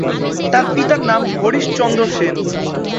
তার পিতার নাম হরিশচন্দ্র সেন।